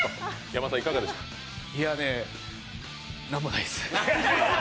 いやねなんもないっす。